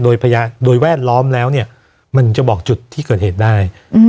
โดยพยานโดยแวดล้อมแล้วเนี่ยมันจะบอกจุดที่เกิดเหตุได้